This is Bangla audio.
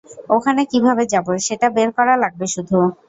ওখানে কীভাবে যাবো, সেটা বের করা লাগবে শুধু।